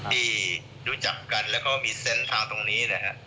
ที่รู้จักกันแล้วก็มีเส้นทางตรงนี้นะครับ